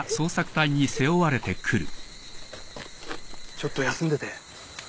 ちょっと休んでて